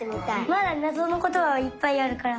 まだなぞのことがいっぱいあるから。